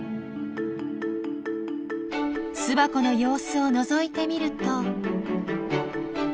巣箱の様子をのぞいてみると。